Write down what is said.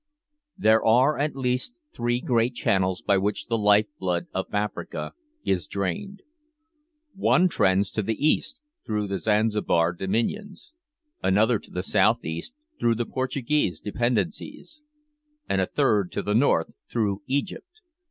There are at least three great channels by which the life blood of Africa is drained. One trends to the east through the Zanzibar dominions, another to the south east through the Portuguese dependencies, and a third to the north through Egypt.